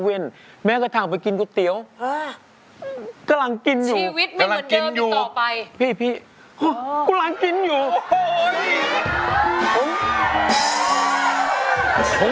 วันนั้นเกาะเตี๋ยวไม่ได้กินอืด